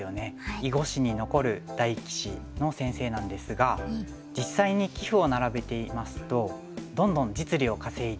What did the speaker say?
囲碁史に残る大棋士の先生なんですが実際に棋譜を並べてみますとどんどん実利を稼いで。